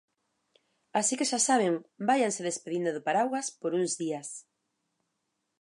Así que xa saben, váianse despedindo do paraugas por uns días.